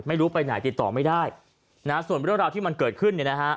ไม่รู้ไปไหนติดต่อไม่ได้นะฮะส่วนเรื่องราวที่มันเกิดขึ้นเนี่ยนะฮะ